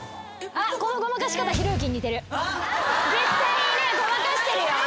絶対にねごまかしてるよ。